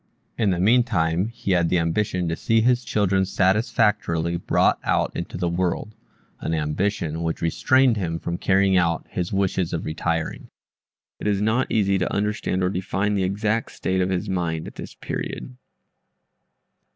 In the meantime he had the ambition to see his children satisfactorily brought out into the world an ambition which restrained him from carrying out his wishes of retiring. It is not easy to understand or define the exact state of his mind at this period.